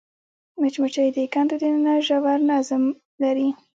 مچمچۍ د کندو دننه ژور نظم لري